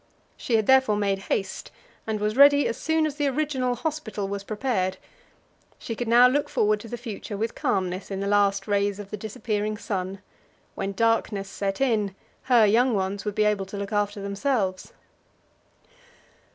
She had therefore made haste, and was ready as soon as the original "hospital" was prepared. She could now look forward to the future with calmness in the last rays of the disappearing sun; when darkness set in, her young ones would be able to look after themselves.